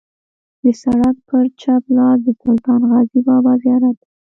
د سړک پر چپ لاس د سلطان غازي بابا زیارت دی.